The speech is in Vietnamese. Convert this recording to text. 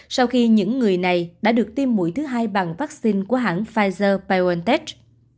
sau khi những người này đã được tiêm mũi thứ hai bằng vaccine của hãng pfizer biontech